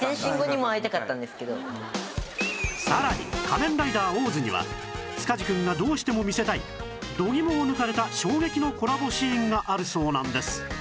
さらに『仮面ライダーオーズ』には塚地くんがどうしても見せたい度肝を抜かれた衝撃のコラボシーンがあるそうなんです